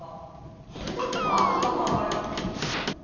あれだってまーくんが考えた。